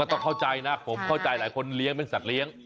ต้องเข้าใจนะผมเข้าใจหลายคนเลี้ยงเป็นสัตว์เลี้ยง